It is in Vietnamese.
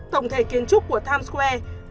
tổng thể kiến trúc của times square